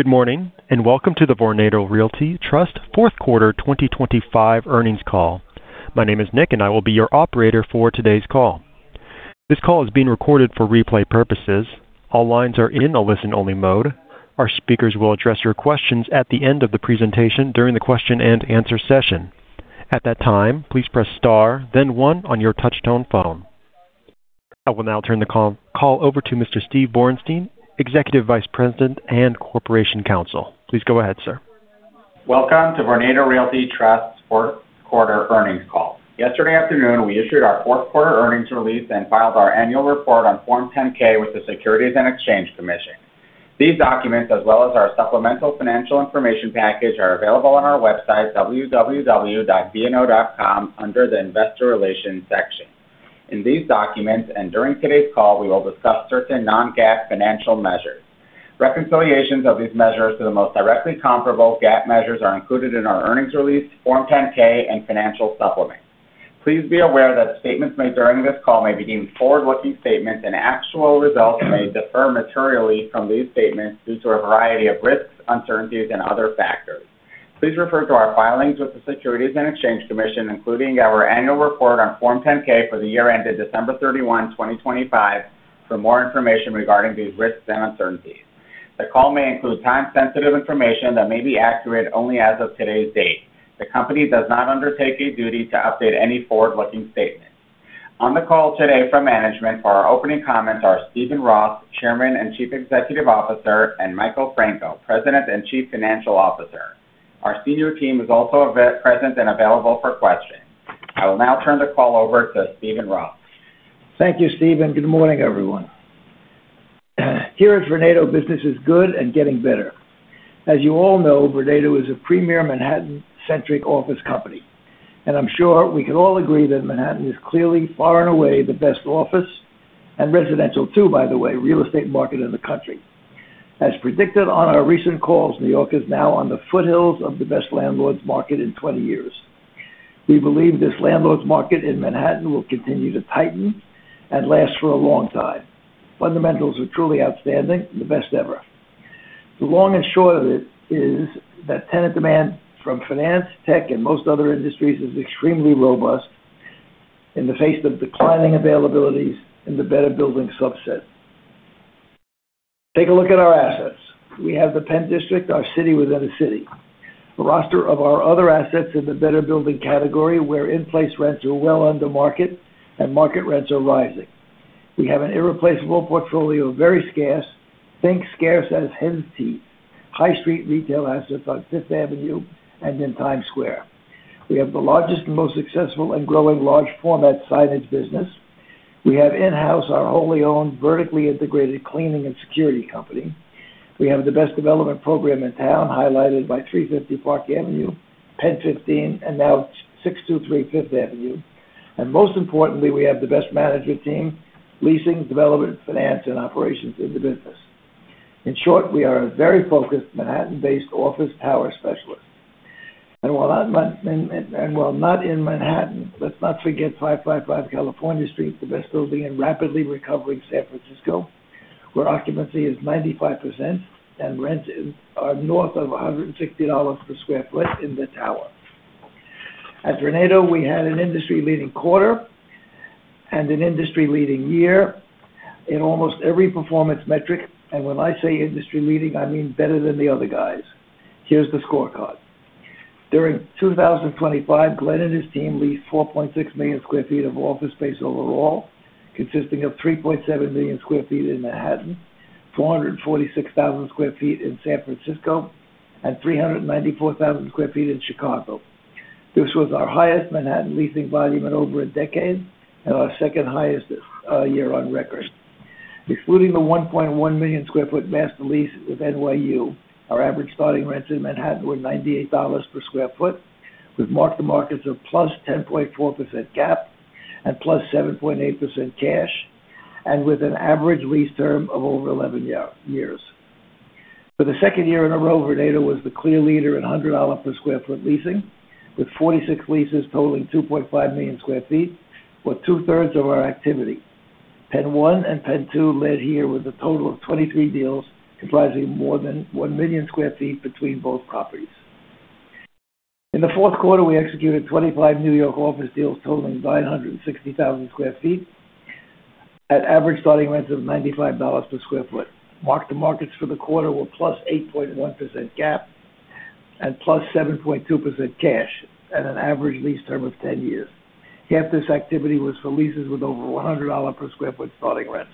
Good morning and welcome to the Vornado Realty Trust fourth quarter 2025 earnings call. My name is Nick and I will be your operator for today's call. This call is being recorded for replay purposes. All lines are in a listen-only mode. Our speakers will address your questions at the end of the presentation during the question-and-answer session. At that time, please press star, then 1 on your touch-tone phone. I will now turn the call over to Mr. Steve Borenstein, Executive Vice President and Corporation Counsel. Please go ahead, sir. Welcome to Vornado Realty Trust's fourth quarter earnings call. Yesterday afternoon we issued our fourth quarter earnings release and filed our annual report on Form 10-K with the Securities and Exchange Commission. These documents, as well as our supplemental financial information package, are available on our website www.vno.com under the Investor Relations section. In these documents and during today's call we will discuss certain non-GAAP financial measures. Reconciliations of these measures to the most directly comparable GAAP measures are included in our earnings release, Form 10-K, and financial supplements. Please be aware that statements made during this call may be deemed forward-looking statements and actual results may differ materially from these statements due to a variety of risks, uncertainties, and other factors. Please refer to our filings with the Securities and Exchange Commission, including our annual report on Form 10-K for the year ended December 31, 2025, for more information regarding these risks and uncertainties. The call may include time-sensitive information that may be accurate only as of today's date. The company does not undertake a duty to update any forward-looking statements. On the call today from management for our opening comments are Steven Roth, Chairman and Chief Executive Officer, and Michael Franco, President and Chief Financial Officer. Our senior team is also present and available for questions. I will now turn the call over to Steven Roth. Thank you, Steven. Good morning, everyone. Here at Vornado, business is good and getting better. As you all know, Vornado is a premier Manhattan-centric office company, and I'm sure we can all agree that Manhattan is clearly far and away the best office and residential, too, by the way, real estate market in the country. As predicted on our recent calls, New York is now on the foothills of the best landlords market in 20 years. We believe this landlords market in Manhattan will continue to tighten and last for a long time. Fundamentals are truly outstanding, the best ever. The long and short of it is that tenant demand from finance, tech, and most other industries is extremely robust in the face of declining availabilities in the better-building subset. Take a look at our assets. We have the Penn District, our city within a city. A roster of our other assets in the better-building category where in-place rents are well under market and market rents are rising. We have an irreplaceable portfolio of very scarce, think scarce as hen's teeth, high-street retail assets on Fifth Avenue and in Times Square. We have the largest and most successful and growing large-format signage business. We have in-house our wholly-owned, vertically integrated cleaning and security company. We have the best development program in town highlighted by 350 Park Avenue, PENN 15, and now 623 Fifth Avenue. And most importantly, we have the best management team, leasing, development, finance, and operations in the business. In short, we are a very focused Manhattan-based office tower specialist. While not in Manhattan, let's not forget 555 California Street, the best building in rapidly recovering San Francisco, where occupancy is 95% and rents are north of $160 per sq ft in the tower. At Vornado, we had an industry-leading quarter and an industry-leading year in almost every performance metric, and when I say industry-leading, I mean better than the other guys. Here's the scorecard. During 2025, Glen and his team leased 4.6 million sq ft of office space overall, consisting of 3.7 million sq ft in Manhattan, 446,000 sq ft in San Francisco, and 394,000 sq ft in Chicago. This was our highest Manhattan leasing volume in over a decade and our second highest year on record. Excluding the 1.1 million sq ft master lease with NYU, our average starting rents in Manhattan were $98 per sq ft, with marked markets of +10.4% GAAP and +7.8% cash, and with an average lease term of over 11 years. For the second year in a row, Vornado was the clear leader in $100 per sq ft leasing, with 46 leases totaling 2.5 million sq ft, or two-thirds of our activity. PENN 1 and PENN 2 led here with a total of 23 deals comprising more than 1 million sq ft between both properties. In the fourth quarter, we executed 25 New York office deals totaling 960,000 sq ft, at average starting rents of $95 per sq ft. Marked markets for the quarter were +8.1% GAAP and +7.8% cash, and an average lease term of 10 years. Half this activity was for leases with over $100 per sq ft starting rents.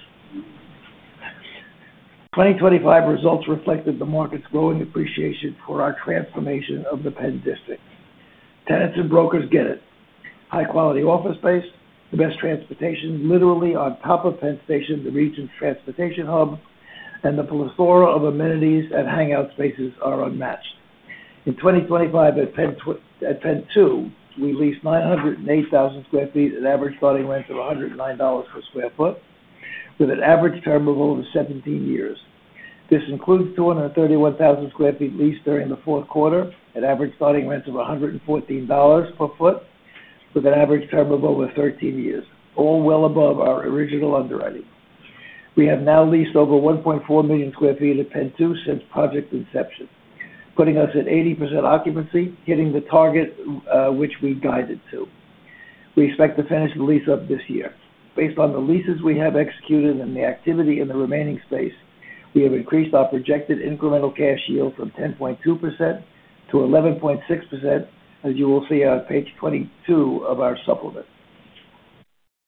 2025 results reflected the market's growing appreciation for our transformation of the Penn District. Tenants and brokers get it. High-quality office space, the best transportation, literally on top of Penn Station, the region's transportation hub, and the plethora of amenities and hangout spaces are unmatched. In 2025 at PENN 2, we leased 908,000 sq ft at average starting rents of $109 per sq ft, with an average term of over 17 years. This includes 231,000 sq ft leased during the fourth quarter at average starting rents of $114 per sq ft, with an average term of over 13 years, all well above our original underwriting. We have now leased over 1.4 million sq ft at PENN 2 since project inception, putting us at 80% occupancy, hitting the target which we guided to. We expect to finish the lease up this year. Based on the leases we have executed and the activity in the remaining space, we have increased our projected incremental cash yield from 10.2% to 11.6%, as you will see on page 22 of our supplement.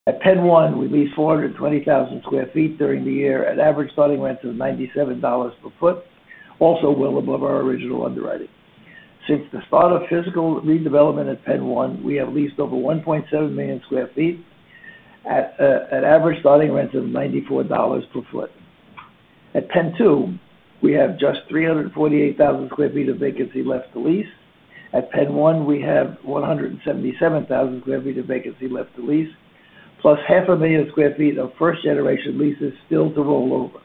At PENN 1, we leased 420,000 sq ft during the year at average starting rents of $97 per foot, also well above our original underwriting. Since the start of physical redevelopment at PENN 1, we have leased over 1.7 million sq ft at average starting rents of $94 per foot. At PENN 2, we have just 348,000 sq ft of vacancy left to lease. At PENN 1, we have 177,000 sq ft of vacancy left to lease, plus 500,000 sq ft of first-generation leases still to roll over.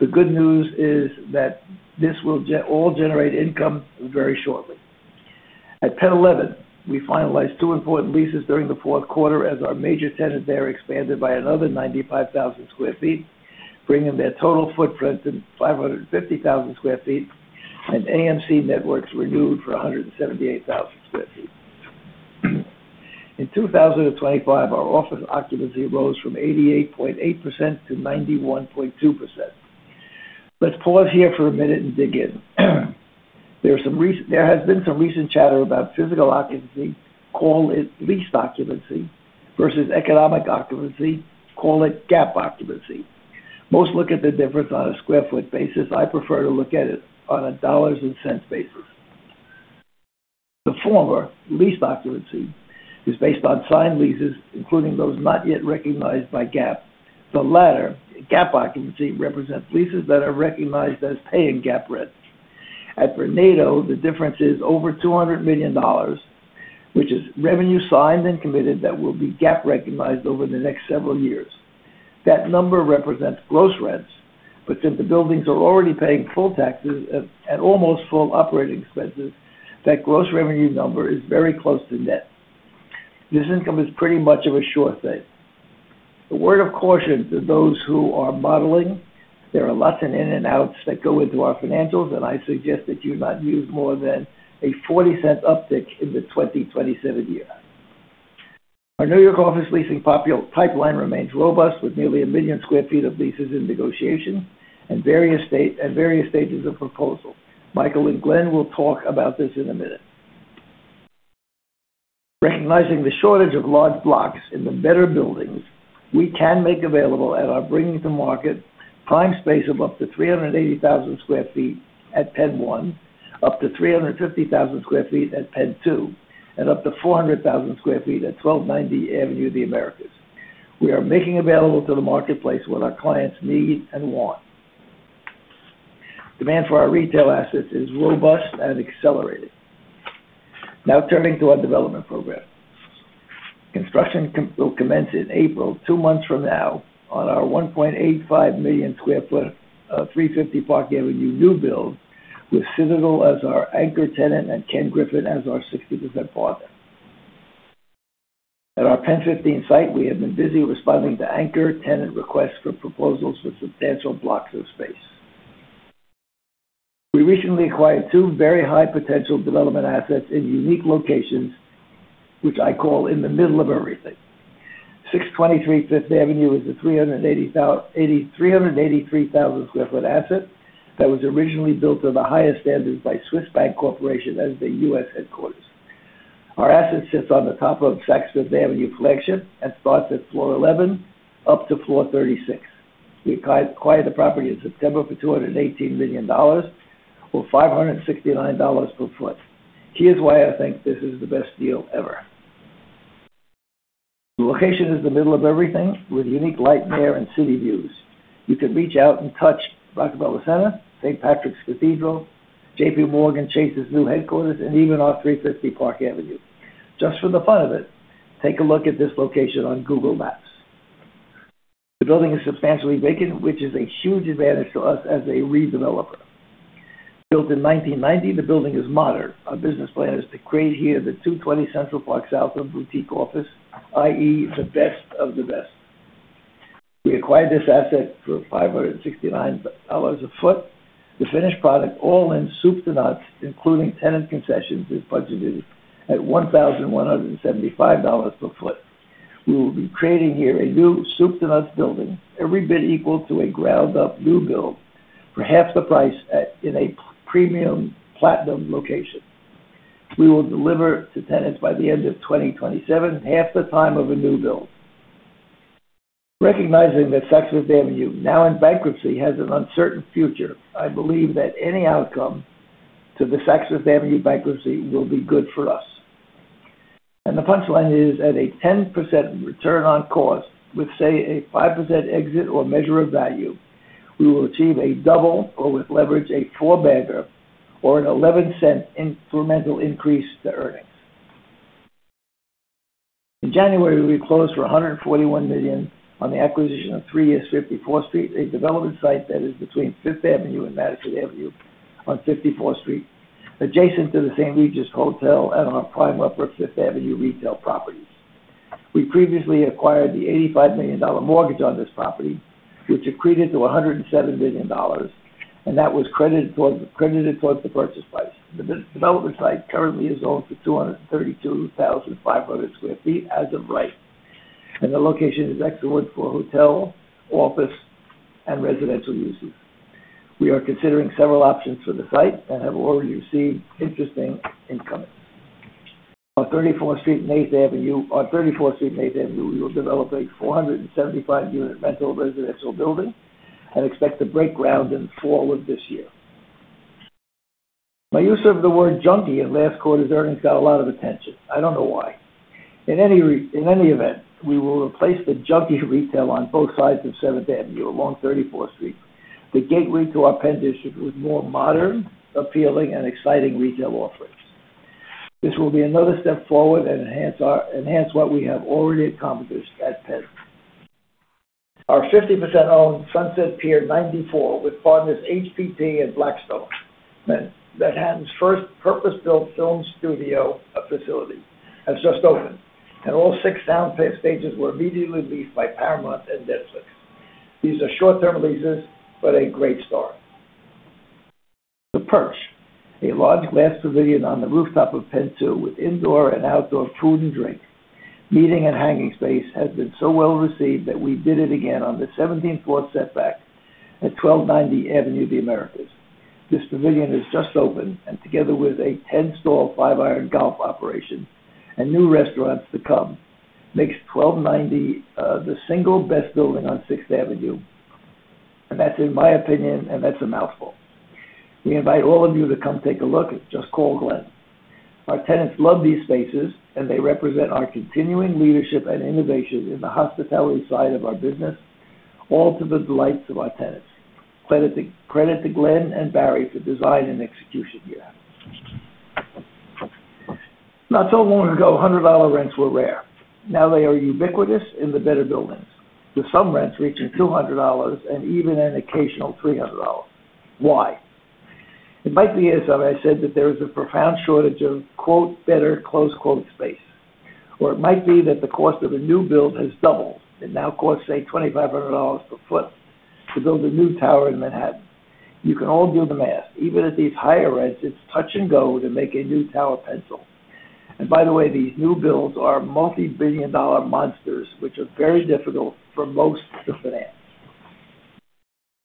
The good news is that this will all generate income very shortly. At PENN 11, we finalized two important leases during the fourth quarter as our major tenant there expanded by another 95,000 sq ft, bringing their total footprint to 550,000 sq ft, and AMC Networks renewed for 178,000 sq ft. In 2025, our office occupancy rose from 88.8% to 91.2%. Let's pause here for a minute and dig in. There has been some recent chatter about physical occupancy, call it lease occupancy, versus economic occupancy, call it GAAP occupancy. Most look at the difference on a sq ft basis. I prefer to look at it on a dollars and cents basis. The former, lease occupancy, is based on signed leases, including those not yet recognized by GAAP. The latter, GAAP occupancy, represents leases that are recognized as paying GAAP rents. At Vornado, the difference is over $200 million, which is revenue signed and committed that will be GAAP recognized over the next several years. That number represents gross rents, but since the buildings are already paying full taxes and almost full operating expenses, that gross revenue number is very close to net. This income is pretty much of a sure thing. A word of caution to those who are modeling: there are lots of in-and-outs that go into our financials, and I suggest that you not use more than a $0.40 uptick in the 2027 year. Our New York office leasing pipeline remains robust, with nearly 1 million sq ft of leases in negotiation and various stages of proposal. Michael and Glen will talk about this in a minute. Recognizing the shortage of large blocks in the better buildings, we can make available at our bringing-to-market prime space of up to 380,000 sq ft at PENN 1, up to 350,000 sq ft at PENN 2, and up to 400,000 sq ft at 1290 Avenue of the Americas. We are making available to the marketplace what our clients need and want. Demand for our retail assets is robust and accelerating. Now turning to our development program. Construction will commence in April, two months from now, on our 1.85 million sq ft 350 Park Avenue new build, with Citadel as our anchor tenant and Ken Griffin as our 60% partner. At our PENN 15 site, we have been busy responding to anchor tenant requests for proposals for substantial blocks of space. We recently acquired two very high-potential development assets in unique locations, which I call in the middle of everything. 623 Fifth Avenue is a 383,000 sq ft asset that was originally built to the highest standards by Swiss Bank Corporation as the US headquarters. Our asset sits on the top of Saks Fifth Avenue flagship and starts at floor 11 up to floor 36. We acquired the property in September for $218 million or $569 per foot. Here's why I think this is the best deal ever. The location is the middle of everything, with unique light, air, and city views. You can reach out and touch Rockefeller Center, St. Patrick's Cathedral, J.P. Morgan Chase's new headquarters, and even our 350 Park Avenue. Just for the fun of it, take a look at this location on Google Maps. The building is substantially vacant, which is a huge advantage to us as a redeveloper. Built in 1990, the building is modern. Our business plan is to create here the 220 Central Park South of boutique office, i.e., the best of the best. We acquired this asset for $569 a foot. The finished product, all in soup to nuts, including tenant concessions, is budgeted at $1,175 per foot. We will be creating here a new soup to nuts building, every bit equal to a ground-up new build, for half the price in a premium platinum location. We will deliver to tenants by the end of 2027, half the time of a new build. Recognizing that Saks Fifth Avenue, now in bankruptcy, has an uncertain future, I believe that any outcome to the Saks Fifth Avenue bankruptcy will be good for us. The punchline is, at a 10% return on cost with, say, a 5% exit or measure of value, we will achieve a double or, with leverage, a 4-bagger or a $0.11 incremental increase to earnings. In January, we closed for $141 million on the acquisition of 3 East 54th Street, a development site that is between Fifth Avenue and Madison Avenue on 54th Street, adjacent to the St. Regis Hotel and our prime upper Fifth Avenue retail properties. We previously acquired the $85 million mortgage on this property, which accreted to $107 million, and that was credited towards the purchase price. The development site currently is owned for 232,500 sq ft as of right, and the location is excellent for hotel, office, and residential uses. We are considering several options for the site and have already received interesting incomings. On 34th Street and 8th Avenue, we will develop a 475-unit rental residential building and expect to break ground in the fall of this year. My use of the word "junkie" in last quarter's earnings got a lot of attention. I don't know why. In any event, we will replace the junkie retail on both sides of Seventh Avenue along 34th Street, the gateway to our Penn District, with more modern, appealing, and exciting retail offerings. This will be another step forward and enhance what we have already accomplished at Penn. Our 50%-owned Sunset Pier 94 with partners HPP and Blackstone, Manhattan's first purpose-built film studio facility, has just opened, and all six sound stages were immediately leased by Paramount and Netflix. These are short-term leases but a great start. The Perch, a large glass pavilion on the rooftop of PENN 2 with indoor and outdoor food and drink, meeting and hanging space, has been so well received that we did it again on the 17th floor setback at 1290 Avenue of the Americas. This pavilion has just opened, and together with a 10-stall Five Iron Golf operation and new restaurants to come, makes 1290 the single best building on Sixth Avenue, and that's, in my opinion, and that's a mouthful. We invite all of you to come take a look. Just call Glen. Our tenants love these spaces, and they represent our continuing leadership and innovation in the hospitality side of our business, all to the delights of our tenants. Credit to Glen and Barry for design and execution here. Not so long ago, $100 rents were rare. Now they are ubiquitous in the better buildings, with some rents reaching $200 and even an occasional $300. Why? It might be as I said that there is a profound shortage of "better" space, or it might be that the cost of a new build has doubled. It now costs, say, $2,500 per foot to build a new tower in Manhattan. You can all do the math. Even at these higher rents, it's touch and go to make a new tower pencil. And by the way, these new builds are multi-billion dollar monsters, which are very difficult for most to finance.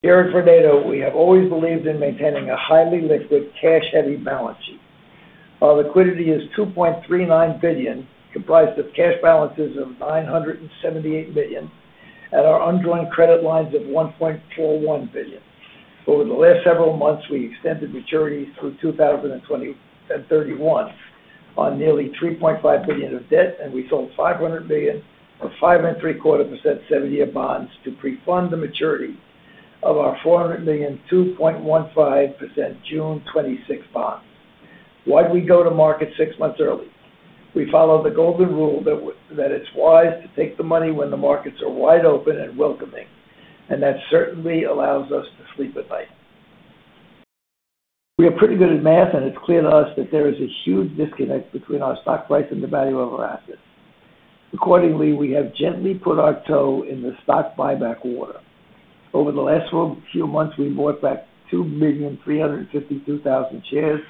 Here at Vornado, we have always believed in maintaining a highly liquid, cash-heavy balance sheet. Our liquidity is $2.39 billion, comprised of cash balances of $978 million and our undrawn credit lines of $1.41 billion. Over the last several months, we extended maturities through 2031 on nearly $3.5 billion of debt, and we sold $500 million of 5.75% 70-year bonds to pre-fund the maturity of our $400 million 2.15% June 2026 bonds. Why'd we go to market 6 months early? We follow the golden rule that it's wise to take the money when the markets are wide open and welcoming, and that certainly allows us to sleep at night. We are pretty good at math, and it's clear to us that there is a huge disconnect between our stock price and the value of our assets. Accordingly, we have gently put our toe in the stock buyback water. Over the last few months, we bought back 2,352,000 shares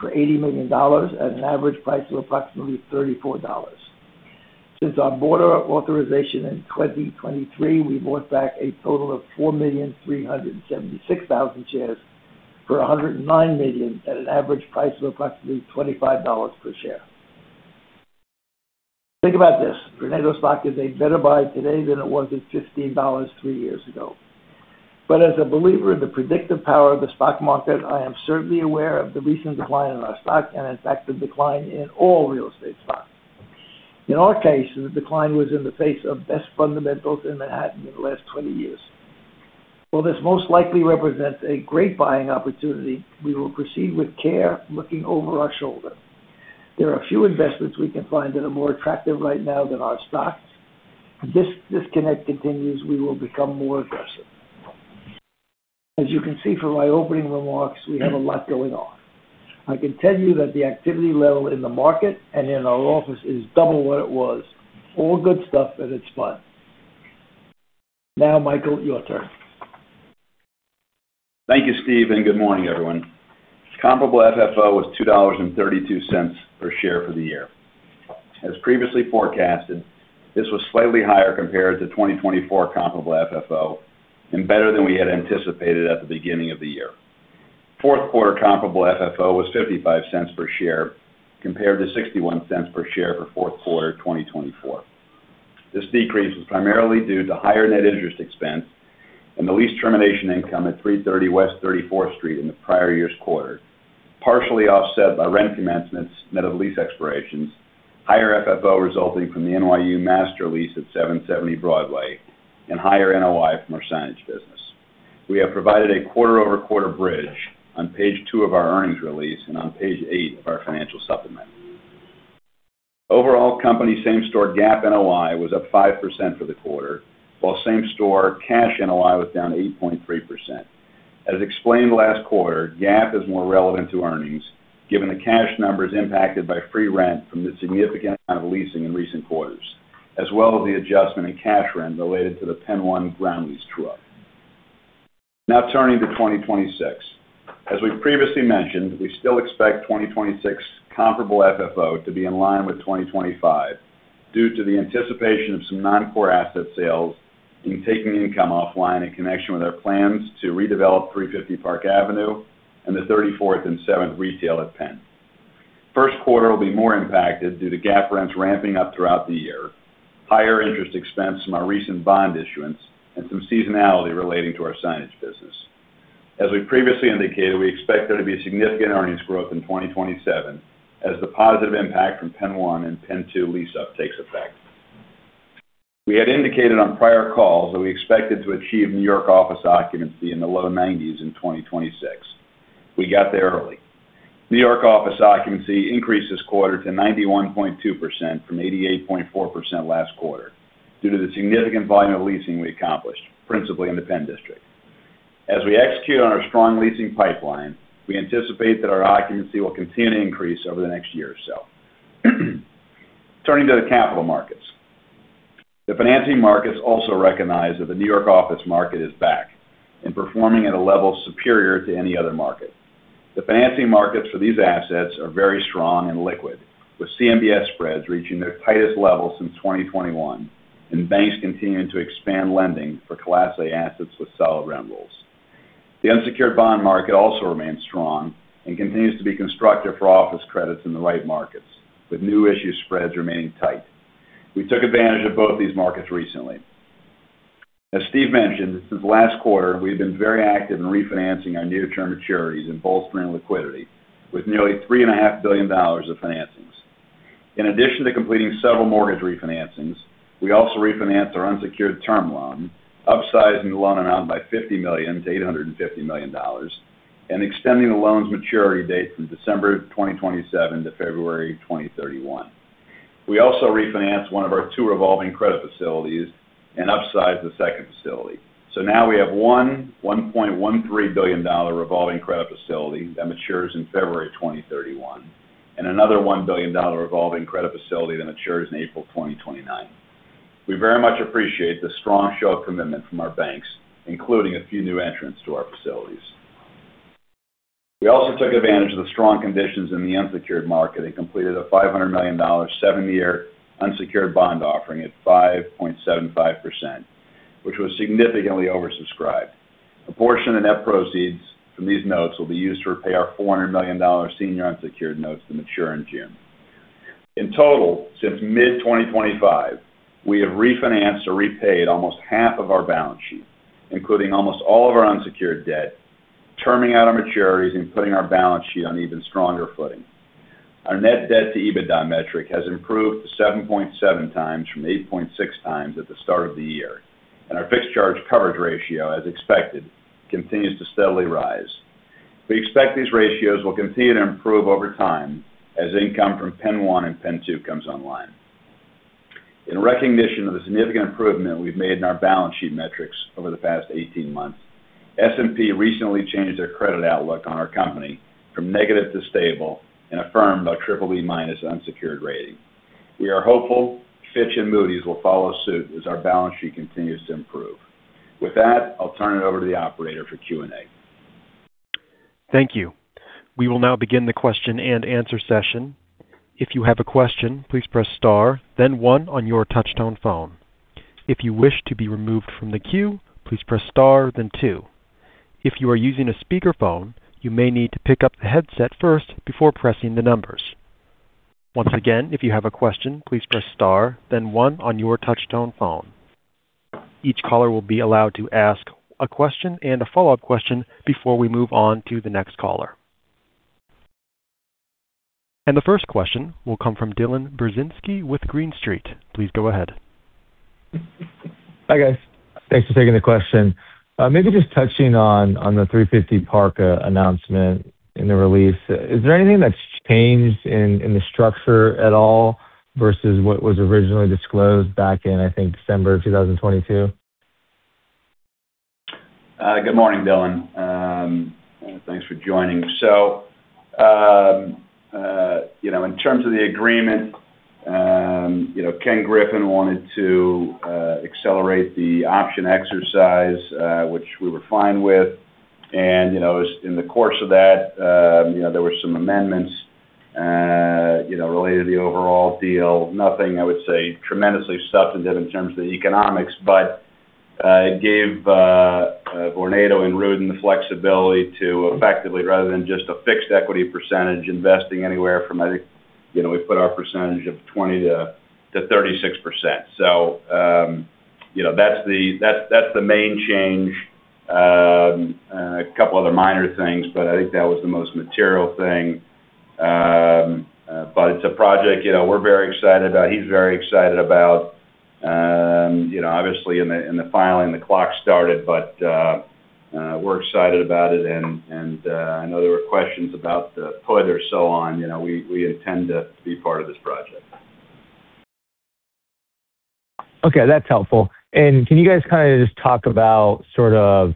for $80 million at an average price of approximately $34. Since our board authorization in 2023, we bought back a total of 4,376,000 shares for $109 million at an average price of approximately $25 per share. Think about this: Vornado stock is a better buy today than it was at $15 three years ago. But as a believer in the predictive power of the stock market, I am certainly aware of the recent decline in our stock and, in fact, the decline in all real estate stocks. In our case, the decline was in the face of best fundamentals in Manhattan in the last 20 years. While this most likely represents a great buying opportunity, we will proceed with care, looking over our shoulder. There are few investments we can find that are more attractive right now than our stocks. If this disconnect continues, we will become more aggressive. As you can see from my opening remarks, we have a lot going on. I can tell you that the activity level in the market and in our office is double what it was. All good stuff, and it's fun. Now, Michael, your turn. Thank you, Steve, and good morning, everyone. Comparable FFO was $2.32 per share for the year. As previously forecasted, this was slightly higher compared to 2024 comparable FFO and better than we had anticipated at the beginning of the year. Fourth quarter comparable FFO was $0.55 per share compared to $0.61 per share for fourth quarter 2024. This decrease was primarily due to higher net interest expense and the lease termination income at 330 West 34th Street in the prior year's quarter, partially offset by rent commencements net of lease expirations, higher FFO resulting from the NYU master lease at 770 Broadway, and higher NOI from our signage business. We have provided a quarter-over-quarter bridge on page 2 of our earnings release and on page eight of our financial supplement. Overall, company same-store GAAP NOI was up 5% for the quarter, while same-store cash NOI was down 8.3%. As explained last quarter, GAAP is more relevant to earnings given the cash numbers impacted by free rent from the significant amount of leasing in recent quarters, as well as the adjustment in cash rent related to the PENN 1 ground lease true-up. Now turning to 2026. As we previously mentioned, we still expect 2026 comparable FFO to be in line with 2025 due to the anticipation of some non-core asset sales and taking income offline in connection with our plans to redevelop 350 Park Avenue and the 34th and 7th retail at Penn. First quarter will be more impacted due to GAAP rents ramping up throughout the year, higher interest expense from our recent bond issuance, and some seasonality relating to our signage business. As we previously indicated, we expect there to be significant earnings growth in 2027 as the positive impact from PENN 1 and PENN 2 lease-up takes affect. We had indicated on prior calls that we expected to achieve New York office occupancy in the low 90s in 2026. We got there early. New York office occupancy increased this quarter to 91.2% from 88.4% last quarter due to the significant volume of leasing we accomplished, principally in the Penn District. As we execute on our strong leasing pipeline, we anticipate that our occupancy will continue to increase over the next year or so. Turning to the capital markets. The financing markets also recognize that the New York office market is back and performing at a level superior to any other market. The financing markets for these assets are very strong and liquid, with CMBS spreads reaching their tightest level since 2021 and banks continuing to expand lending for class A assets with solid rent rolls. The unsecured bond market also remains strong and continues to be constructive for office credits in the right markets, with new issue spreads remaining tight. We took advantage of both these markets recently. As Steve mentioned, since last quarter, we've been very active in refinancing our near-term maturities and bolstering liquidity with nearly $3.5 billion of financings. In addition to completing several mortgage refinancings, we also refinanced our unsecured term loan, upsizing the loan amount by $50 million to $850 million, and extending the loan's maturity date from December 2027 to February 2031. We also refinanced one of our two revolving credit facilities and upsized the second facility. So now we have one $1.13 billion revolving credit facility that matures in February 2031 and another $1 billion revolving credit facility that matures in April 2029. We very much appreciate the strong show of commitment from our banks, including a few new entrants to our facilities. We also took advantage of the strong conditions in the unsecured market and completed a $500 million 70-year unsecured bond offering at 5.75%, which was significantly oversubscribed. A portion of net proceeds from these notes will be used to repay our $400 million senior unsecured notes that mature in June. In total, since mid-2025, we have refinanced or repaid almost half of our balance sheet, including almost all of our unsecured debt, terming out our maturities and putting our balance sheet on even stronger footing. Our net debt-to-EBITDA metric has improved to 7.7 times from 8.6 times at the start of the year, and our fixed charge coverage ratio, as expected, continues to steadily rise. We expect these ratios will continue to improve over time as income from PENN 1 and PENN 2 comes online. In recognition of the significant improvement we've made in our balance sheet metrics over the past 18 months, S&P recently changed their credit outlook on our company from negative to stable and affirmed our BBB-minus unsecured rating. We are hopeful Fitch and Moody's will follow suit as our balance sheet continues to improve. With that, I'll turn it over to the operator for Q&A. Thank you. We will now begin the question and answer session. If you have a question, please press star, then 1 on your touch-tone phone. If you wish to be removed from the queue, please press star, then two. If you are using a speakerphone, you may need to pick up the headset first before pressing the numbers. Once again, if you have a question, please press star, then one on your touch-tone phone. Each caller will be allowed to ask a question and a follow-up question before we move on to the next caller. The first question will come from Dylan Burzinski with Green Street. Please go ahead. Hi, guys. Thanks for taking the question. Maybe just touching on the 350 Park announcement in the release. Is there anything that's changed in the structure at all versus what was originally disclosed back in, I think, December of 2022? Good morning, Dylan. Thanks for joining. So in terms of the agreement, Ken Griffin wanted to accelerate the option exercise, which we were fine with. And in the course of that, there were some amendments related to the overall deal. Nothing, I would say, tremendously substantive in terms of the economics, but it gave Vornado and Rudin the flexibility to effectively, rather than just a fixed equity percentage, investing anywhere from, I think we put our percentage of 20%-36%. So that's the main change. A couple other minor things, but I think that was the most material thing. But it's a project we're very excited about. He's very excited about. Obviously, in the filing, the clock started, but we're excited about it. And I know there were questions about the PUD or so on. We intend to be part of this project. Okay. That's helpful. And can you guys kind of just talk about sort of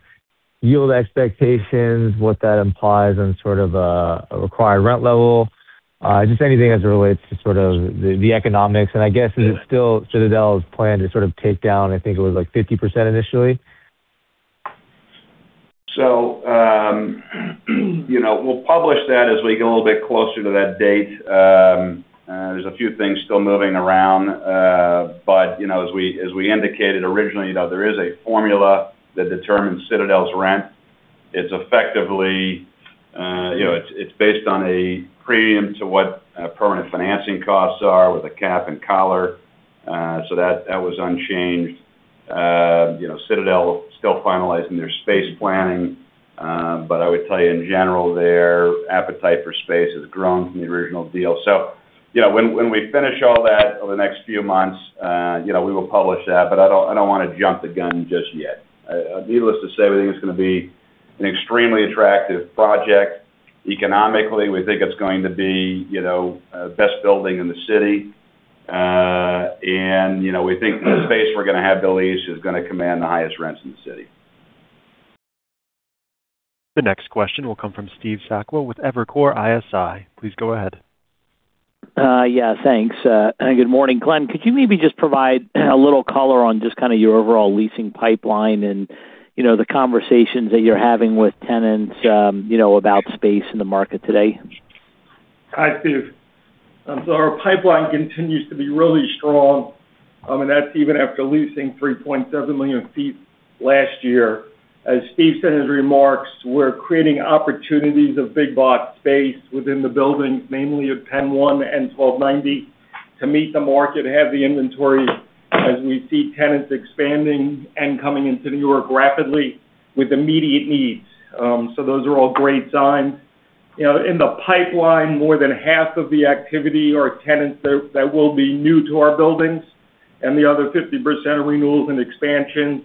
yield expectations, what that implies on sort of a required rent level, just anything as it relates to sort of the economics? And I guess, is it still Citadel's plan to sort of take down I think it was like 50% initially? So we'll publish that as we get a little bit closer to that date. There's a few things still moving around. But as we indicated originally, there is a formula that determines Citadel's rent. It's effectively it's based on a premium to what permanent financing costs are with a cap and collar. So that was unchanged. Citadel is still finalizing their space planning. I would tell you, in general, their appetite for space has grown from the original deal. When we finish all that over the next few months, we will publish that. I don't want to jump the gun just yet. Needless to say, we think it's going to be an extremely attractive project. Economically, we think it's going to be best building in the city. We think the space we're going to have to lease is going to command the highest rents in the city. The next question will come from Stephen Sakwa with Evercore ISI. Please go ahead. Yeah. Thanks. Good morning, Glen. Could you maybe just provide a little color on just kind of your overall leasing pipeline and the conversations that you're having with tenants about space in the market today? Hi, Stephen. Our pipeline continues to be really strong. I mean, that's even after leasing 3.7 million sq ft last year. As Steve said in his remarks, we're creating opportunities of big-box space within the buildings, namely at PENN 1 and 1290, to meet the market, have the inventory, as we see tenants expanding and coming into New York rapidly with immediate needs. Those are all great signs. In the pipeline, more than half of the activity are tenants that will be new to our buildings. The other 50% are renewals and expansions.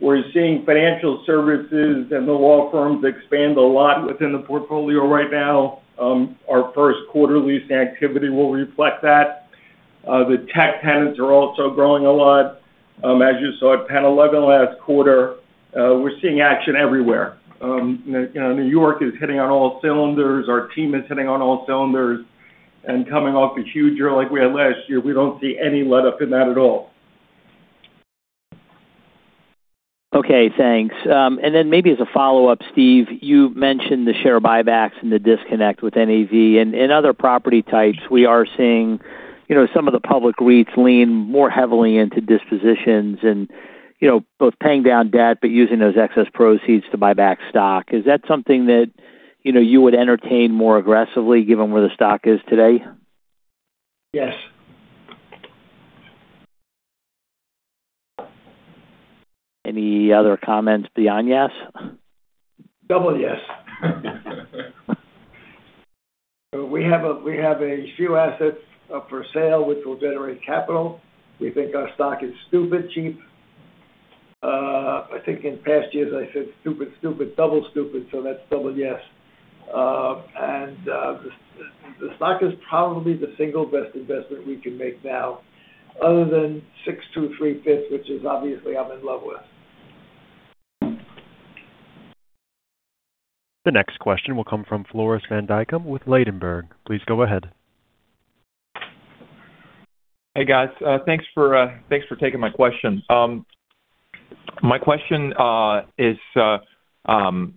We're seeing financial services and the law firms expand a lot within the portfolio right now. Our first quarter lease activity will reflect that. The tech tenants are also growing a lot. As you saw at PENN 11 last quarter, we're seeing action everywhere. New York is hitting on all cylinders. Our team is hitting on all cylinders and coming off a huge year like we had last year. We don't see any letup in that at all. Okay. Thanks. And then maybe as a follow-up, Steve, you mentioned the share buybacks and the disconnect with NAV. And in other property types, we are seeing some of the public REITs lean more heavily into dispositions and both paying down debt but using those excess proceeds to buy back stock. Is that something that you would entertain more aggressively given where the stock is today? Yes. Any other comments beyond yes? Double yes. We have a few assets up for sale, which will generate capital. We think our stock is stupid cheap. I think in past years, I said stupid, stupid, double stupid, so that's double yes. And the stock is probably the single best investment we can make now other than 623 Fifth, which is obviously I'm in love with. The next question will come from Floris van Dijkum with Compass Point. Please go ahead. Hey, guys. Thanks for taking my question. My question is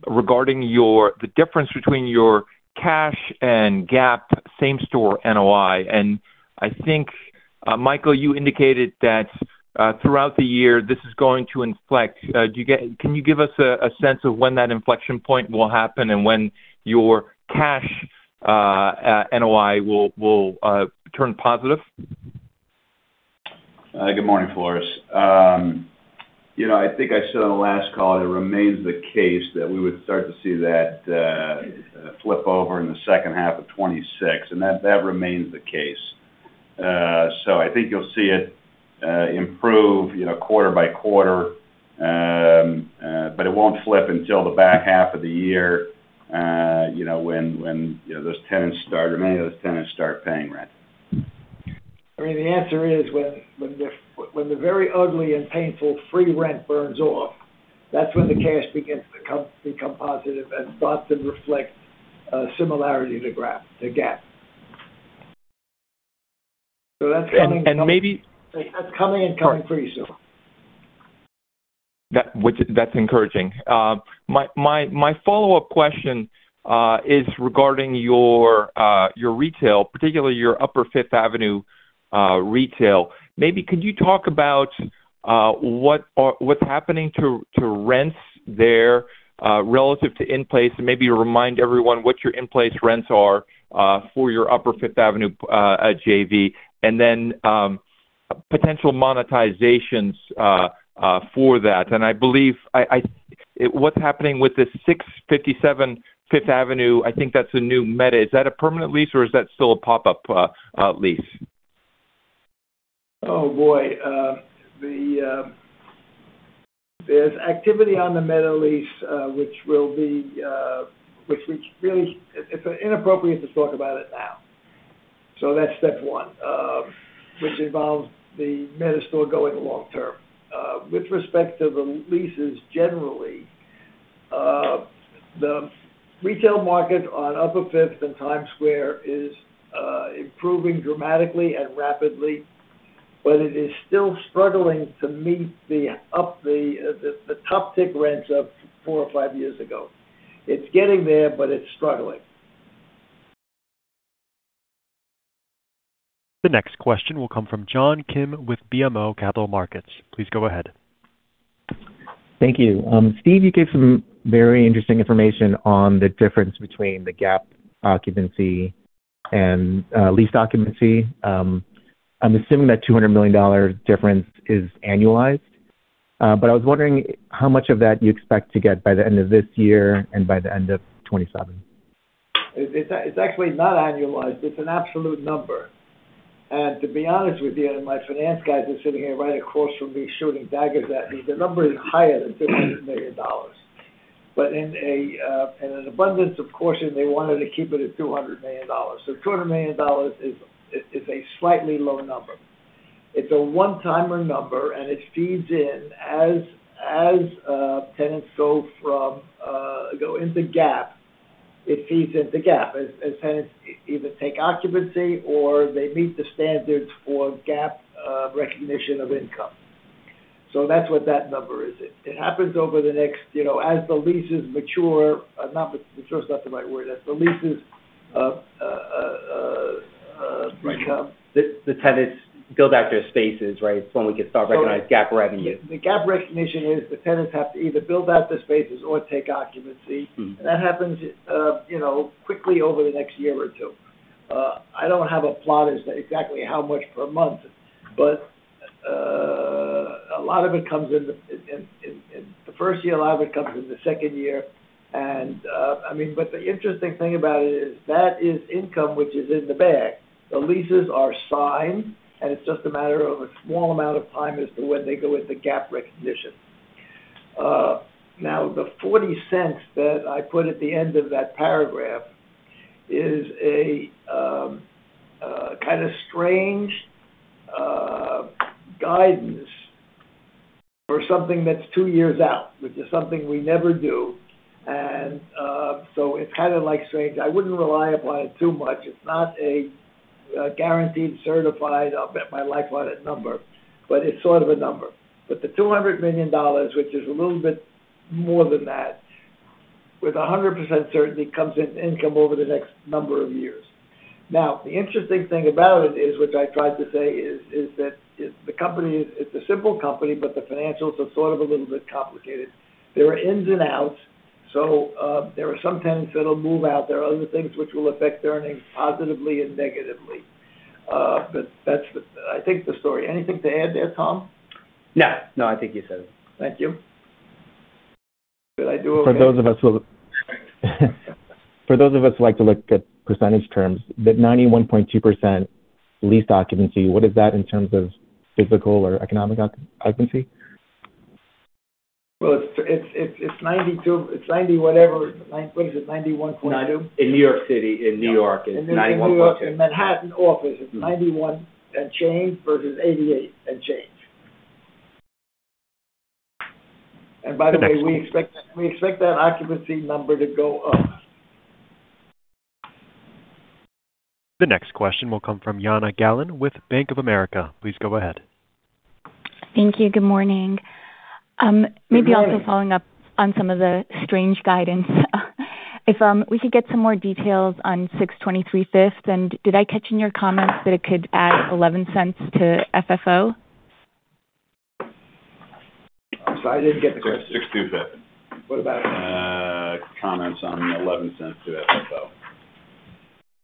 regarding the difference between your cash and GAAP same-store NOI. And I think, Michael, you indicated that throughout the year, this is going to inflect. Can you give us a sense of when that inflection point will happen and when your cash NOI will turn positive? Good morning, Floris. I think I said on the last call it remains the case that we would start to see that flip over in the second half of 2026. And that remains the case. So I think you'll see it improve quarter by quarter, but it won't flip until the back half of the year when those tenants start or many of those tenants start paying rent. I mean, the answer is when the very ugly and painful free rent burns off, that's when the cash begins to become positive and starts to reflect a similarity to GAAP. So that's coming and coming. And maybe. That's coming and coming pretty soon. That's encouraging. My follow-up question is regarding your retail, particularly your Upper Fifth Avenue retail. Maybe could you talk about what's happening to rents there relative to in-place and maybe remind everyone what your in-place rents are for your Upper Fifth Avenue JV and then potential monetizations for that? And I believe what's happening with the 657 Fifth Avenue, I think that's a new Meta. Is that a permanent lease, or is that still a pop-up lease? Oh, boy. There's activity on the Meta lease, which will be which really it's inappropriate to talk about it now. So that's step one, which involves the Meta store going long-term. With respect to the leases generally, the retail market on Upper Fifth and Times Square is improving dramatically and rapidly, but it is still struggling to meet the top-tick rents of four or five years ago. It's getting there, but it's struggling. The next question will come from John P. Kim with BMO Capital Markets. Please go ahead. Thank you. Steve, you gave some very interesting information on the difference between the GAAP occupancy and lease occupancy. I'm assuming that $200 million difference is annualized. But I was wondering how much of that you expect to get by the end of this year and by the end of 2027. It's actually not annualized. It's an absolute number. And to be honest with you, and my finance guys are sitting here right across from me shooting daggers at me, the number is higher than $200 million. But in an abundance of caution, they wanted to keep it at $200 million. So $200 million is a slightly low number. It's a one-timer number, and it feeds in as tenants go into GAAP. It feeds into GAAP as tenants either take occupancy or they meet the standards for GAAP recognition of income. So that's what that number is. It happens over the next as the leases mature not mature, it's not the right word. As the leases income. Right. The tenants build out their spaces, right? It's when we can start recognizing GAAP revenue. The GAAP recognition is the tenants have to either build out their spaces or take occupancy. That happens quickly over the next year or two. I don't have a plot as to exactly how much per month, but a lot of it comes in the first year. A lot of it comes in the second year. I mean, but the interesting thing about it is that is income which is in the bag. The leases are signed, and it's just a matter of a small amount of time as to when they go into GAAP recognition. Now, the $0.40 that I put at the end of that paragraph is a kind of strange guidance for something that's two years out, which is something we never do. So it's kind of strange. I wouldn't rely upon it too much. It's not a guaranteed, certified, "I'll bet my life on it" number, but it's sort of a number. But the $200 million, which is a little bit more than that, with 100% certainty comes into income over the next number of years. Now, the interesting thing about it is, which I tried to say, is that the company is it's a simple company, but the financials are sort of a little bit complicated. There are ins and outs. So there are some tenants that'll move out. There are other things which will affect their earnings positively and negatively. But that's, I think, the story. Anything to add there, Tom? No. No, I think you said it. Thank you. Could I do a little? For those of us who like to look at percentage terms, that 91.2% lease occupancy, what is that in terms of physical or economic occupancy? Well, it's 90 whatever. What is it? 91.2? In New York City. In New York. It's 91.2. In New York and Manhattan office, it's 91 and change versus 88 and change. And by the way, we expect that occupancy number to go up. The next question will come from Camille Bonnel with Bank of America. Please go ahead. Thank you. Good morning. Maybe also following up on some of the strange guidance. If we could get some more details on 623 Fifth Avenue, and did I catch in your comments that it could add 11 cents to FFO? I'm sorry. I didn't get the question. 623 Fifth. What about it? Comments on the 11 cents to FFO.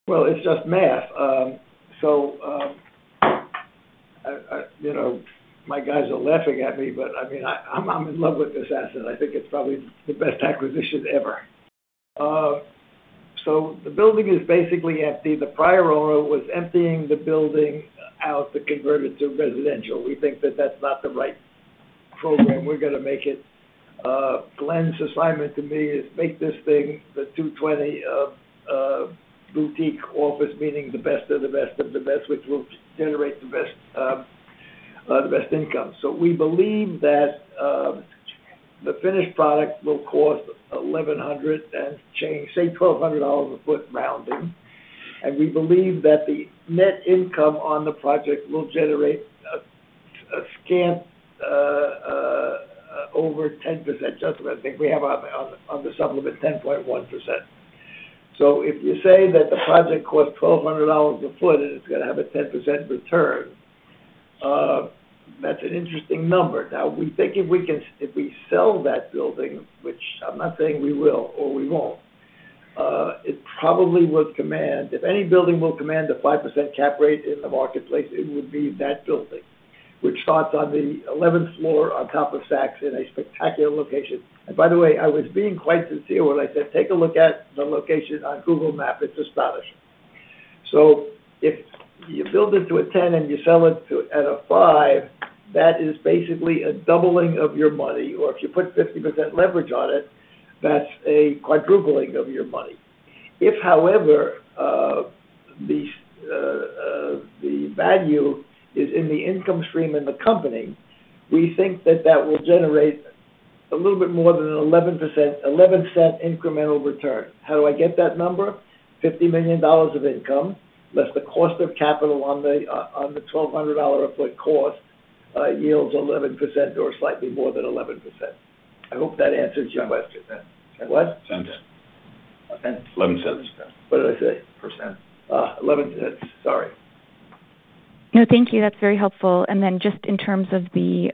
Well, it's just math. So my guys are laughing at me, but I mean, I'm in love with this asset. I think it's probably the best acquisition ever. So the building is basically empty. The prior owner was emptying the building out to convert it to residential. We think that that's not the right program. We're going to make it Glen's assignment to me is make this thing the 220 boutique office, meaning the best of the best of the best, which will generate the best income. So we believe that the finished product will cost 1,100 and change, say, $1,200 a foot rounding. And we believe that the net income on the project will generate a scant over 10% adjustment. I think we have on the supplement 10.1%. So if you say that the project costs $1,200 a foot and it's going to have a 10% return, that's an interesting number. Now, we think if we sell that building, which I'm not saying we will or we won't, it probably will command if any building will command a 5% cap rate in the marketplace, it would be that building, which starts on the 11th floor on top of Saks in a spectacular location. And by the way, I was being quite sincere when I said, "Take a look at the location on Google Maps. It's astonishing." So if you build it to a 10 and you sell it at a five, that is basically a doubling of your money. Or if you put 50% leverage on it, that's a quadrupling of your money. If, however, the value is in the income stream in the company, we think that that will generate a little bit more than a $0.11 incremental return. How do I get that number? $50 million of income less the cost of capital on the $1,200 a foot cost yields 11% or slightly more than 11%. I hope that answers your question. What? Cents. 11 cents. What did I say? Percent. 11 cents. Sorry. No, thank you. That's very helpful. And then just in terms of the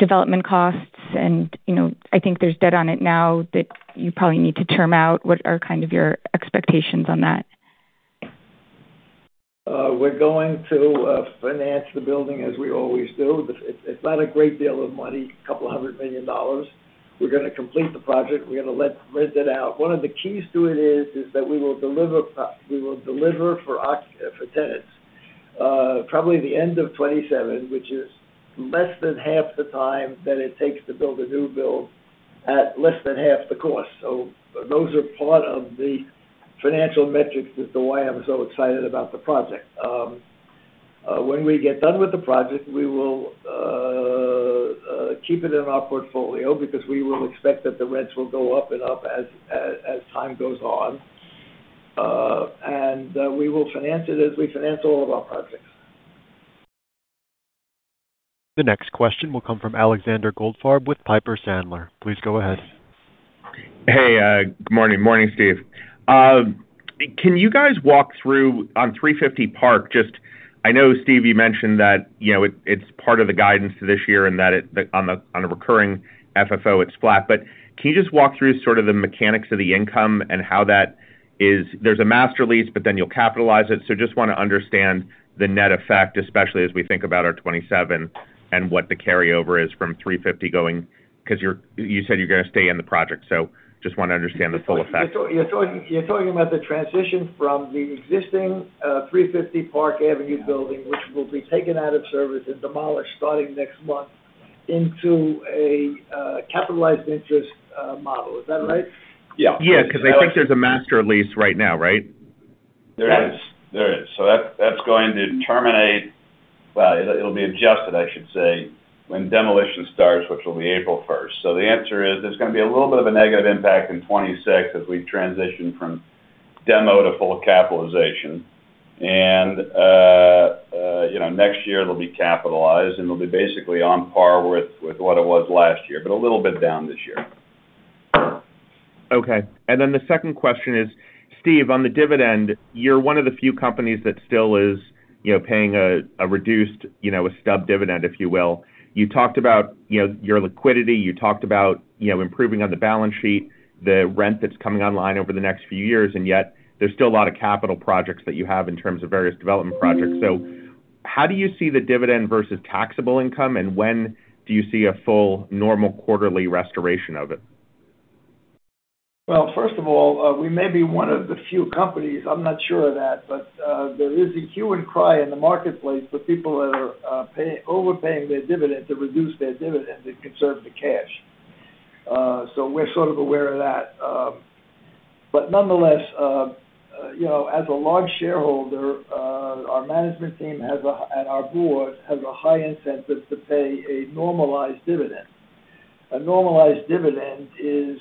development costs, and I think there's debt on it now that you probably need to term out, what are kind of your expectations on that? We're going to finance the building as we always do. It's not a great deal of money, $200 million. We're going to complete the project. We're going to rent it out. One of the keys to it is that we will deliver for tenants probably the end of 2027, which is less than half the time that it takes to build a new build at less than half the cost. So those are part of the financial metrics as to why I'm so excited about the project. When we get done with the project, we will keep it in our portfolio because we will expect that the rents will go up and up as time goes on. And we will finance it as we finance all of our projects. The next question will come from Alexander Goldfarb with Piper Sandler. Please go ahead. Hey. Good morning. Morning, Steve. Can you guys walk through on 350 Park? Just I know, Steve, you mentioned that it's part of the guidance this year and that on a recurring FFO, it's flat. But can you just walk through sort of the mechanics of the income and how that is? There's a master lease, but then you'll capitalize it. So just want to understand the net effect, especially as we think about our 2027 and what the carryover is from 350 going because you said you're going to stay in the project. So just want to understand the full effect. You're talking about the transition from the existing 350 Park Avenue building, which will be taken out of service and demolished starting next month, into a capitalized interest model. Is that right? Yeah. Yeah. Because I think there's a master lease right now, right? There is. There is. So that's going to terminate? Well, it'll be adjusted, I should say, when demolition starts, which will be April 1st. So the answer is there's going to be a little bit of a negative impact in 2026 as we transition from demo to full capitalization. And next year, it'll be capitalized, and it'll be basically on par with what it was last year but a little bit down this year. Okay. And then the second question is, Steve, on the dividend, you're one of the few companies that still is paying a reduced stub dividend, if you will. You talked about your liquidity. You talked about improving on the balance sheet, the rent that's coming online over the next few years. And yet, there's still a lot of capital projects that you have in terms of various development projects. So how do you see the dividend versus taxable income, and when do you see a full, normal quarterly restoration of it? Well, first of all, we may be one of the few companies I'm not sure of that, but there is a hue and cry in the marketplace for people that are overpaying their dividend to reduce their dividend and conserve the cash. So we're sort of aware of that. But nonetheless, as a large shareholder, our management team and our board have a high incentive to pay a normalized dividend. A normalized dividend is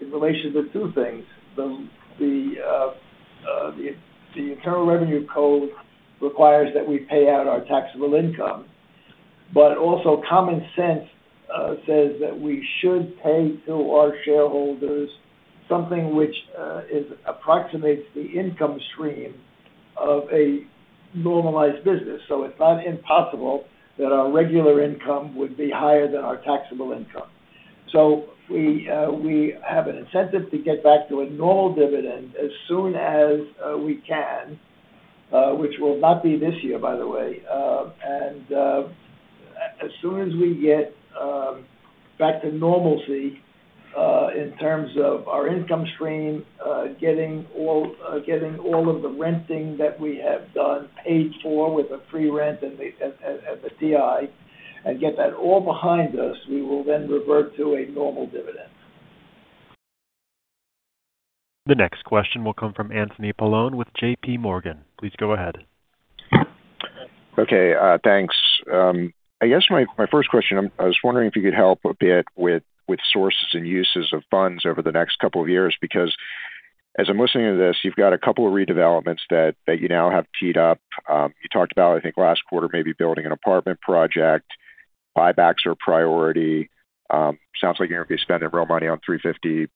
in relation to two things. The Internal Revenue Code requires that we pay out our taxable income, but also common sense says that we should pay to our shareholders something which approximates the income stream of a normalized business. So it's not impossible that our regular income would be higher than our taxable income. So we have an incentive to get back to a normal dividend as soon as we can, which will not be this year, by the way. And as soon as we get back to normalcy in terms of our income stream, getting all of the renting that we have done paid for with a free rent at the TI, and get that all behind us, we will then revert to a normal dividend. The next question will come from Anthony Paolone with J.P. Morgan. Please go ahead. Okay. Thanks. I guess my first question, I was wondering if you could help a bit with sources and uses of funds over the next couple of years because as I'm listening to this, you've got a couple of redevelopments that you now have teed up. You talked about, I think, last quarter, maybe building an apartment project. Buybacks are a priority. Sounds like you're going to be spending real money on 350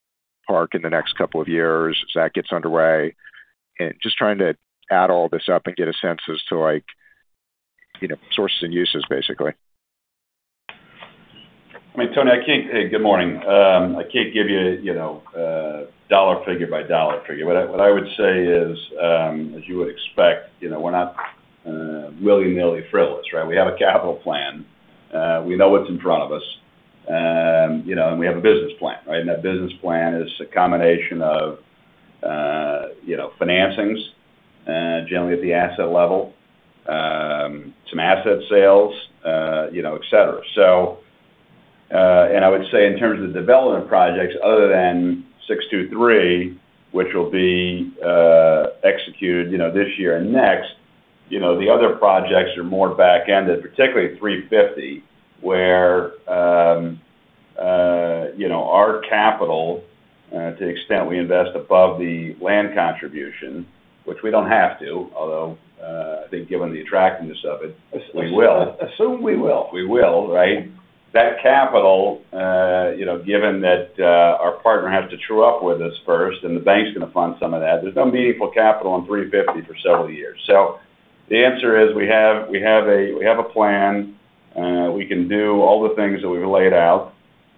Park in the next couple of years as that gets underway. And just trying to add all this up and get a sense as to sources and uses, basically. I mean, Tony, good morning. I can't give you a dollar figure by dollar figure. What I would say is, as you would expect, we're not willy-nilly frivolous, right? We have a capital plan. We know what's in front of us. And we have a business plan, right? And that business plan is a combination of financings, generally at the asset level, some asset sales, etc. And I would say in terms of the development projects, other than 623, which will be executed this year and next, the other projects are more back-ended, particularly 350, where our capital, to the extent we invest above the land contribution, which we don't have to, although I think given the attractiveness of it, we will. Assume we will. We will, right? That capital, given that our partner has to true up with us first, and the bank's going to fund some of that, there's no meaningful capital on 350 for several years. So the answer is we have a plan. We can do all the things that we've laid out.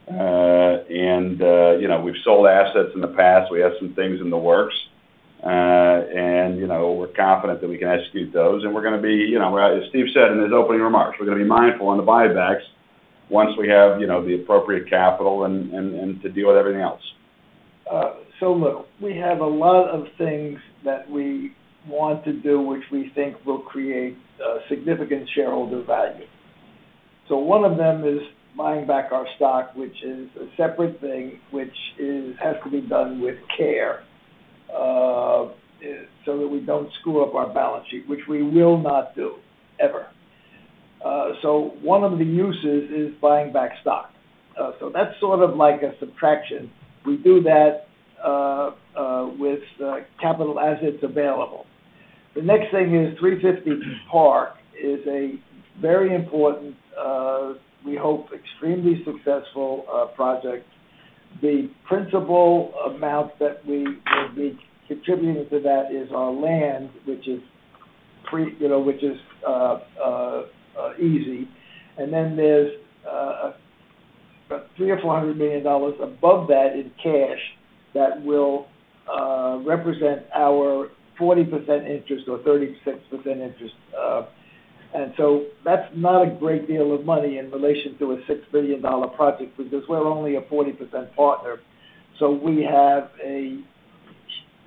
And we've sold assets in the past. We have some things in the works. And we're confident that we can execute those. We're going to be, as Steve said in his opening remarks, mindful on the buybacks once we have the appropriate capital and to deal with everything else. So look, we have a lot of things that we want to do which we think will create significant shareholder value. So one of them is buying back our stock, which is a separate thing which has to be done with care so that we don't screw up our balance sheet, which we will not do, ever. So one of the uses is buying back stock. So that's sort of like a subtraction. We do that with capital as it's available. The next thing is 350 Park is a very important, we hope, extremely successful project. The principal amount that we will be contributing to that is our land, which is easy. And then there's about $300 million-$400 million above that in cash that will represent our 40% interest or 36% interest. And so that's not a great deal of money in relation to a $6 billion project because we're only a 40% partner. So we have an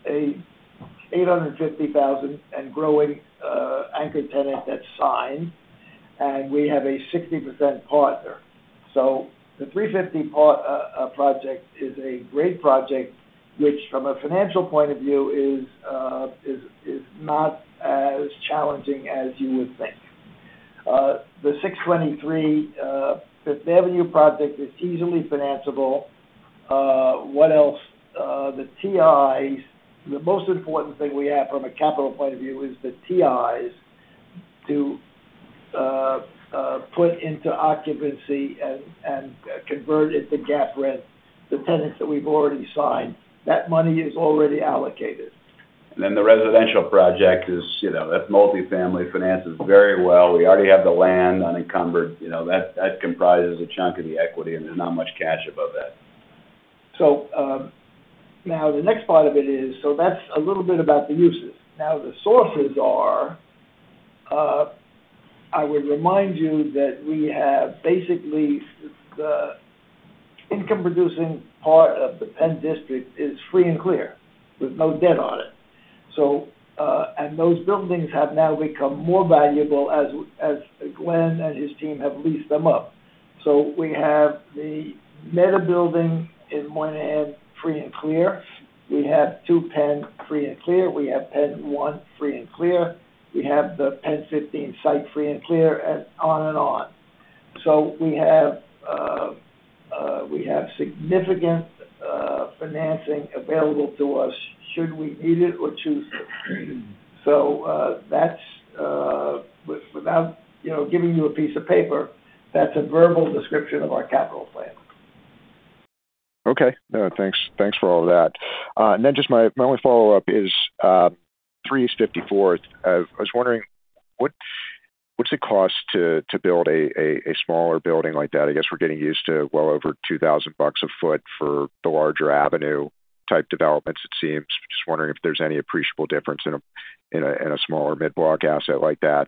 850,000 and growing anchor tenant that's signed, and we have a 60% partner. So the 350 project is a great project, which from a financial point of view is not as challenging as you would think. The 623 Fifth Avenue project is easily financeable. What else? The TIs, the most important thing we have from a capital point of view is the TIs to put into occupancy and convert into GAAP rent the tenants that we've already signed. That money is already allocated. And then the residential project, that multifamily finances very well. We already have the land unencumbered. That comprises a chunk of the equity, and there's not much cash above that. So now, the next part of it is, so that's a little bit about the uses. Now, the sources are. I would remind you that we have basically the income-producing part of the Penn District is free and clear with no debt on it. And those buildings have now become more valuable as Glen and his team have leased them up. So we have the Meta building in Moynihan free and clear. We have Penn 2 free and clear. We have Penn 1 free and clear. We have the Penn 15 site free and clear, and on and on. So we have significant financing available to us should we need it or choose to. So without giving you a piece of paper, that's a verbal description of our capital plan. Okay. Thanks for all of that. And then just my only follow-up is 3 East 54th Street. I was wondering, what's the cost to build a smaller building like that? I guess we're getting used to well over $2,000 a foot for the larger avenue-type developments, it seems. Just wondering if there's any appreciable difference in a smaller mid-block asset like that.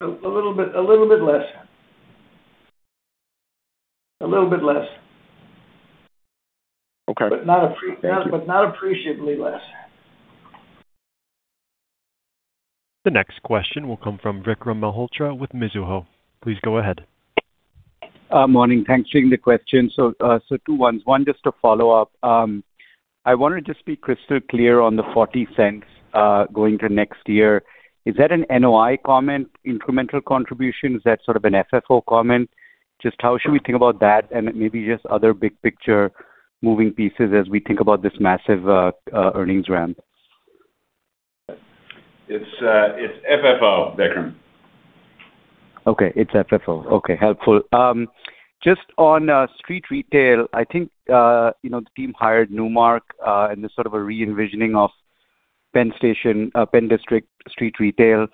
A little bit less. A little bit less. But not appreciably less. The next question will come from Vikram Malhotra with Mizuho. Please go ahead. Morning. Thanks for taking the question. So two ones. One, just to follow up. I want to just be crystal clear on the $0.40 going into next year. Is that an NOI comment, incremental contribution? Is that sort of an FFO comment? Just how should we think about that and maybe just other big-picture moving pieces as we think about this massive earnings ramp? It's FFO, Vikram. Okay. It's FFO. Okay. Helpful. Just on street retail, I think the team hired Newmark in this sort of a re-envisioning of Penn District street retail.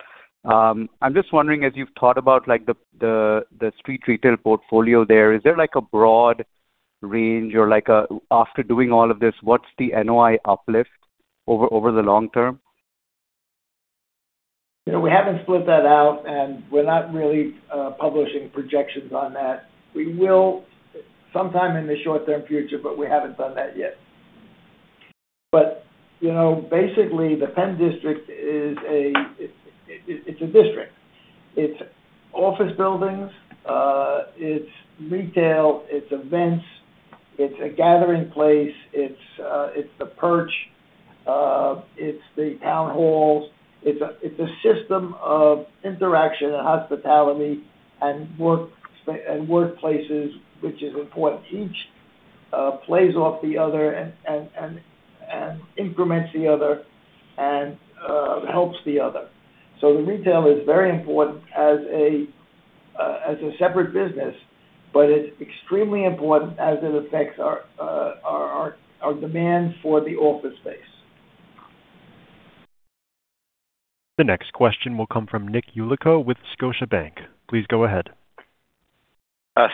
I'm just wondering, as you've thought about the street retail portfolio there, is there a broad range or after doing all of this, what's the NOI uplift over the long term? We haven't split that out, and we're not really publishing projections on that. We will sometime in the short-term future, but we haven't done that yet. But basically, the Penn District is a it's a district. It's office buildings. It's retail. It's events. It's a gathering place. It's the Perch. It's the town halls. It's a system of interaction and hospitality and workplaces, which is important. Each plays off the other and increments the other and helps the other. So the retail is very important as a separate business, but it's extremely important as it affects our demand for the office space. The next question will come from Nick Yulico with Scotiabank. Please go ahead.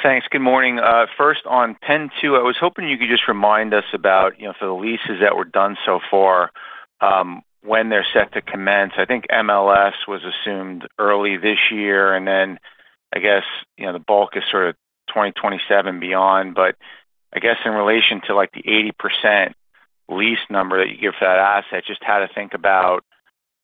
Thanks. Good morning. First, on PENN 2, I was hoping you could just remind us about for the leases that were done so far, when they're set to commence. I think MLS was assumed early this year. And then I guess the bulk is sort of 2027 beyond. But I guess in relation to the 80% lease number that you give for that asset, just how to think about